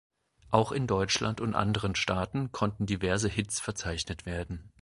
Auch in Deutschland und anderen Staaten konnten diverse Hits verzeichnet werden.